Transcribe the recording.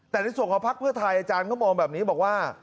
แต่ในส่วนของพักเพื่อไทยอาจารย์เขามองแบบนี้บอกว่า